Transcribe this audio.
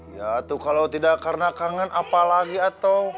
ya tuh kalau tidak karena kangen apalagi atau